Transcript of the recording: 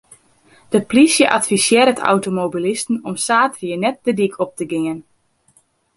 De plysje advisearret automobilisten om saterdei net de dyk op te gean.